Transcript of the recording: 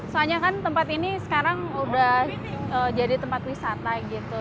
soalnya kan tempat ini sekarang udah jadi tempat wisata gitu